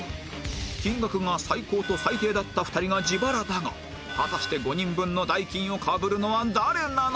金額が最高と最低だった２人が自腹だが果たして５人分の代金をかぶるのは誰なのか？